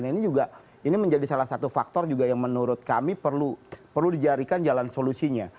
nah ini juga ini menjadi salah satu faktor juga yang menurut kami perlu dijadikan jalan solusinya